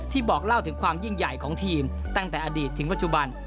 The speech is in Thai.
บอกเล่าถึงความยิ่งใหญ่ของทีมตั้งแต่อดีตถึงปัจจุบัน